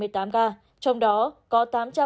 trong đó có tám trăm một mươi ba